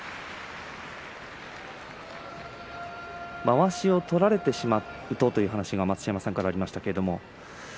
まわしを取られてしまうとという話が待乳山さんからありました。